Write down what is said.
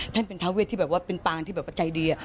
ท่านเป็นทาเวทที่แบบว่าเป็นปางที่แบบว่าใจดี